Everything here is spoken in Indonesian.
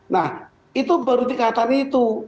nah itu baru dikatakan itu